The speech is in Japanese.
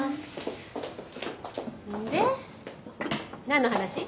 何の話？